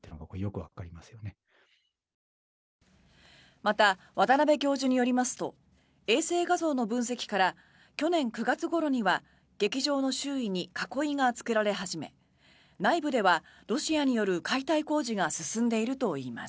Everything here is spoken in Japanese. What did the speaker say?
また、渡邉教授によりますと衛星画像の分析から去年９月ごろには劇場の周囲に囲いが作られ始め内部ではロシアによる解体工事が進んでいるといいます。